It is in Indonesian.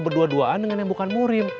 berdua duaan dengan yang bukan murim